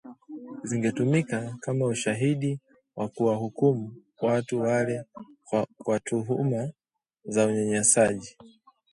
Zingetumika kama ushahidi wa kuwahukumu watu wale kwa tuhuma za unyanyasaji